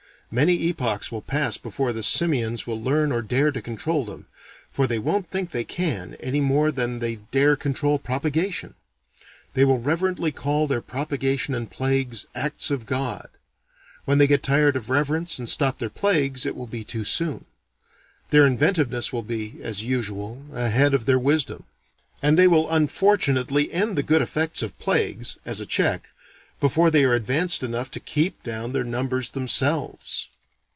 Many epochs will pass before the simians will learn or dare to control them for they won't think they can, any more than they dare control propagation. They will reverently call their propagation and plagues "acts of God." When they get tired of reverence and stop their plagues, it will be too soon. Their inventiveness will be as usual ahead of their wisdom; and they will unfortunately end the good effects of plagues (as a check) before they are advanced enough to keep down their numbers themselves.